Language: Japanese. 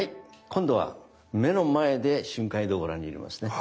今度は目の前で瞬間移動をご覧に入れますね。